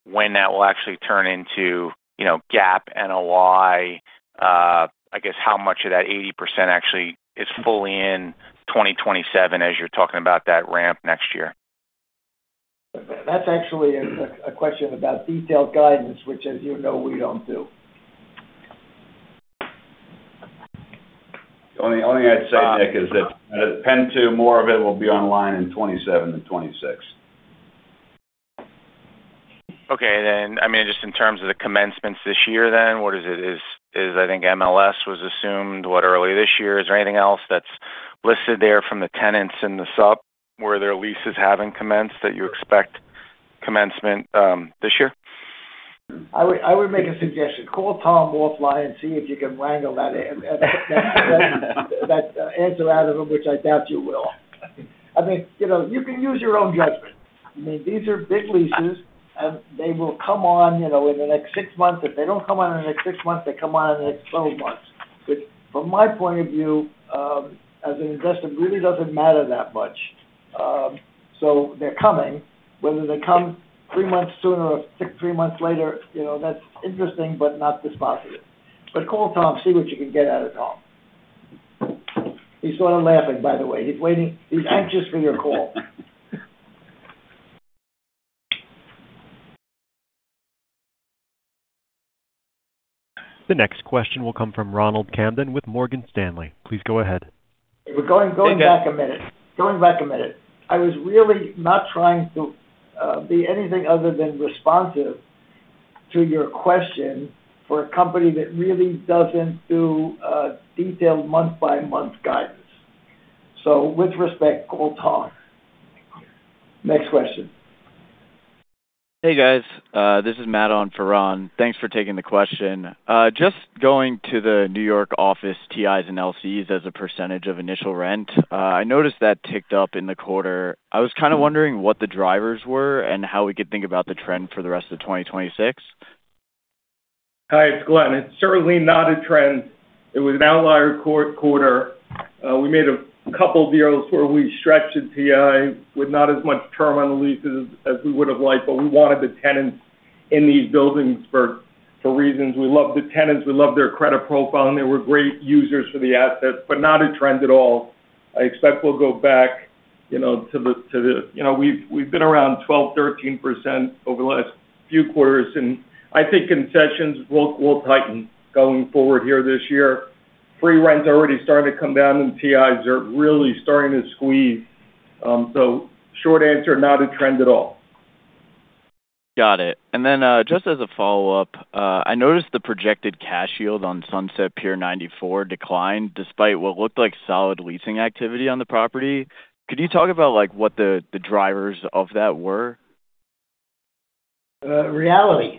when that will actually turn into GAAP NOI. I guess how much of that 80% actually is fully in 2027 as you're talking about that ramp next year. That's actually a question about detailed guidance, which, as you know, we don't do. The only thing I'd say, Nick, is that PENN 2, more of it will be online in 2027 than 2026. Okay. And then, I mean, just in terms of the commencements this year then, what is it? I think MLS was assumed, what, early this year. Is there anything else that's listed there from the tenants and the sub where their leases haven't commenced that you expect commencement this year? I would make a suggestion. Call Tom Wulf and see if you can wrangle that answer out of him, which I doubt you will. I mean, you can use your own judgment. I mean, these are big leases, and they will come on in the next six months. If they don't come on in the next six months, they come on in the next 12 months, which, from my point of view, as an investor, really doesn't matter that much. So they're coming. Whether they come three months sooner or three months later, that's interesting but not dispositive. But call Tom. See what you can get out of Tom. He's sort of laughing, by the way. He's anxious for your call. The next question will come from Ronald Kamdem with Morgan Stanley. Please go ahead. Going back a minute. I was really not trying to be anything other than responsive to your question for a company that really doesn't do detailed month-by-month guidance. So with respect, call Tom. Next question. Hey, guys. This is Madon Ferran. Thanks for taking the question. Just going to the New York office, TIs and LCs as a percentage of initial rent, I noticed that ticked up in the quarter. I was kind of wondering what the drivers were and how we could think about the trend for the rest of 2026. Hi. It's Glen. It's certainly not a trend. It was an outlier quarter. We made a couple of deals where we stretched TI with not as much term on the leases as we would have liked, but we wanted the tenants in these buildings for reasons. We loved the tenants. We loved their credit profile. And they were great users for the assets, but not a trend at all. I expect we'll go back to the we've been around 12%-13% over the last few quarters. And I think concessions will tighten going forward here this year. Free rents are already starting to come down, and TIs are really starting to squeeze. So short answer, not a trend at all. Got it. And then just as a follow-up, I noticed the projected cash yield on Sunset Pier 94 declined despite what looked like solid leasing activity on the property. Could you talk about what the drivers of that were? Reality,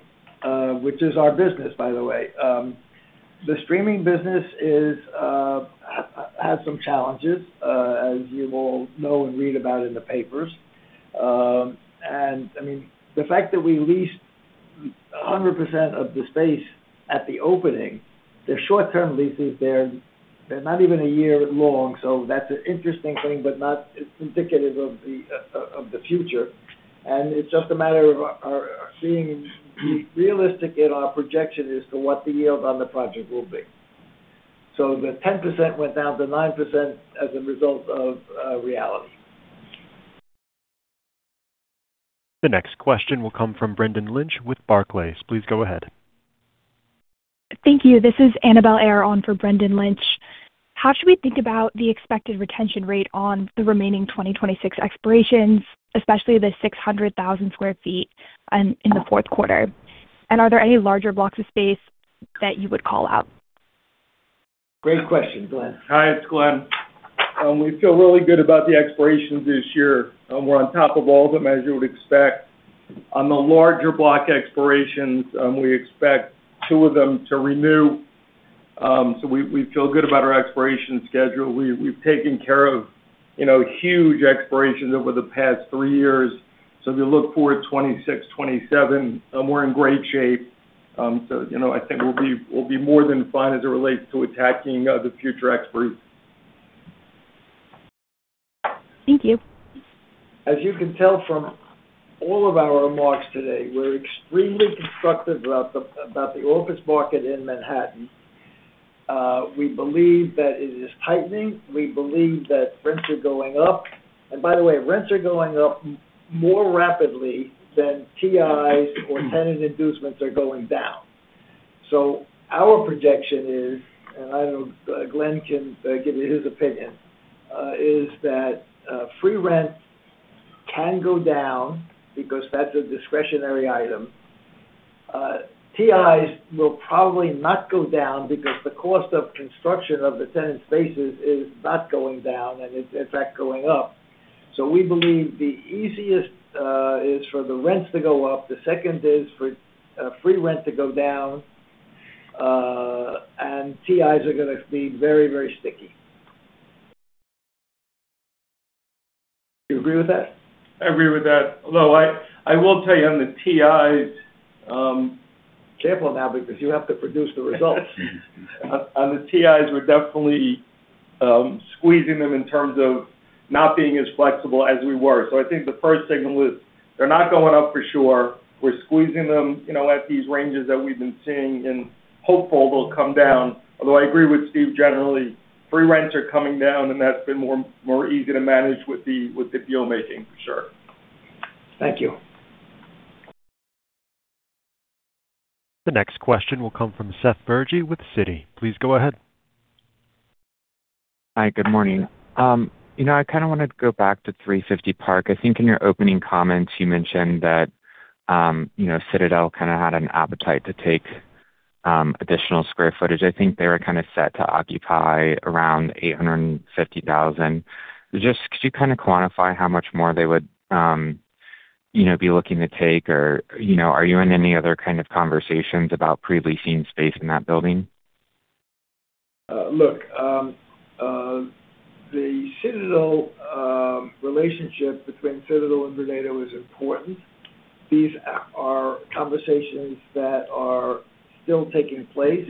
which is our business, by the way. The streaming business has some challenges, as you will know and read about in the papers. And I mean, the fact that we leased 100% of the space at the opening, the short-term leases, they're not even a year long. So that's an interesting thing but not indicative of the future. And it's just a matter of being realistic in our projection as to what the yield on the project will be. So the 10% went down to 9% as a result of reality. The next question will come from Brendan Lynch with Barclays. Please go ahead. Thank you. This is Annabel Ehr on for Brendan Lynch. How should we think about the expected retention rate on the remaining 2026 expirations, especially the 600,000 sq ft in the fourth quarter? And are there any larger blocks of space that you would call out? Great question. Glen? Hi. It's Glen. We feel really good about the expirations this year. We're on top of all the measures you would expect. On the larger block expirations, we expect two of them to renew. So we feel good about our expiration schedule. We've taken care of huge expirations over the past three years. So if you look forward to 2026, 2027, we're in great shape. So I think we'll be more than fine as it relates to attacking the future expirations. Thank you. As you can tell from all of our remarks today, we're extremely constructive about the office market in Manhattan. We believe that it is tightening. We believe that rents are going up. And by the way, rents are going up more rapidly than TIs or tenant inducements are going down. So our projection is, and I don't know if Glen can give you his opinion, is that free rent can go down because that's a discretionary item. TIs will probably not go down because the cost of construction of the tenant spaces is not going down, and it's, in fact, going up. So we believe the easiest is for the rents to go up. The second is for free rent to go down. And TIs are going to be very, very sticky. Do you agree with that? I agree with that. Although, I will tell you, on the TIs. Careful now because you have to produce the results. On the TIs, we're definitely squeezing them in terms of not being as flexible as we were. So I think the first signal is they're not going up for sure. We're squeezing them at these ranges that we've been seeing and hopeful, they'll come down. Although, I agree with Steve generally. Free rents are coming down, and that's been more easy to manage with the deal-making, for sure. Thank you. The next question will come from Smedes Rose with Citi. Please go ahead. Hi. Good morning. I kind of want to go back to 350 Park Avenue. I think in your opening comments, you mentioned that Citadel kind of had an appetite to take additional square footage. I think they were kind of set to occupy around 850,000. Could you kind of quantify how much more they would be looking to take? Or are you in any other kind of conversations about pre-leasing space in that building? Look, the Citadel relationship between Citadel and Vornado was important. These are conversations that are still taking place.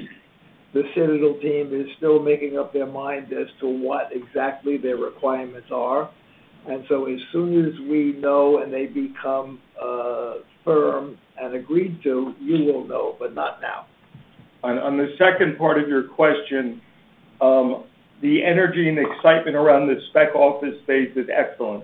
The Citadel team is still making up their mind as to what exactly their requirements are. And so as soon as we know and they become firm and agreed to, you will know, but not now. On the second part of your question, the energy and excitement around the spec office space is excellent.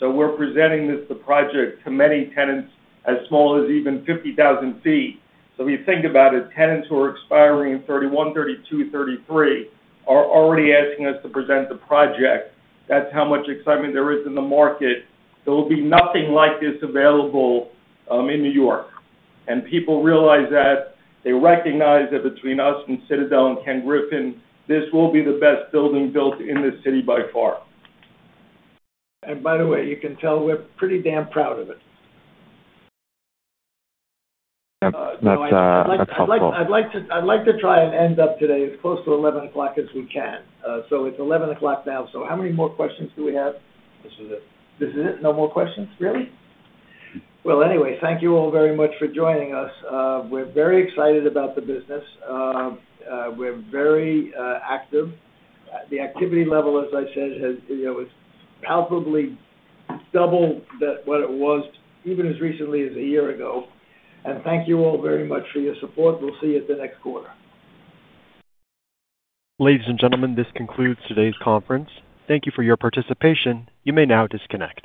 So we're presenting the project to many tenants as small as even 50,000 sq ft. So if you think about it, tenants who are expiring in 2031, 2032, 2033 are already asking us to present the project. That's how much excitement there is in the market. There will be nothing like this available in New York. And people realize that. They recognize that between us and Citadel and Ken Griffin, this will be the best building built in the city by far. By the way, you can tell we're pretty damn proud of it. That's helpful. I'd like to try and end up today as close to 11 o'clock as we can. It's 11 o'clock now. So how many more questions do we have? This is it. This is it? No more questions? Really? Well, anyway, thank you all very much for joining us. We're very excited about the business. We're very active. The activity level, as I said, has palpably doubled what it was even as recently as a year ago. Thank you all very much for your support. We'll see you at the next quarter. Ladies and gentlemen, this concludes today's conference. Thank you for your participation. You may now disconnect.